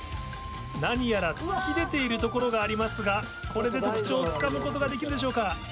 何やら突き出ている所がありますがこれで特徴をつかむことができるでしょうか？